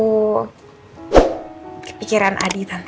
mbak mbak bella ini nggak tenang itu